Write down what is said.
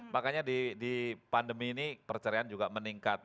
makanya di pandemi ini perceraian juga meningkat